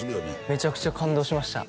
めちゃくちゃ感動しました